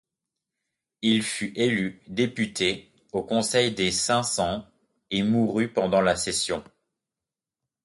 Il fut élu député au Conseil des Cinq-Cents et mourut pendant la session.